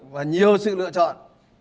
và nhiều sự lựa chọn